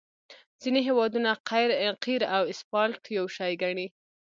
ځینې هیوادونه قیر او اسفالټ یو شی ګڼي